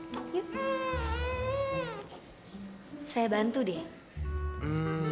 saya bantu deh